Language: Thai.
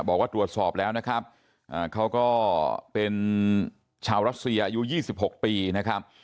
บอกว่าตรวจสอบแล้วนะครับเขาก็เป็นชาวรัสเซียอายุ๒๖ปีนะครับ